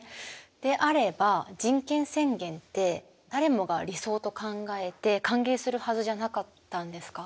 であれば人権宣言って誰もが理想と考えて歓迎するはずじゃなかったんですか？